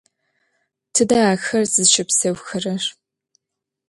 Tıde axer zışıpseuxerer?